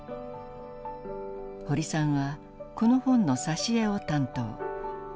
堀さんはこの本の挿絵を担当。